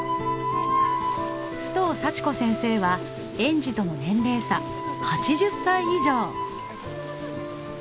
須藤祥子先生は園児との年齢差８０歳以上。